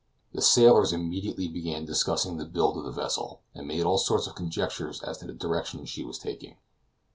The sailors immediately began discussing the build of the vessel, and made all sorts of conjectures as to the direction she was taking.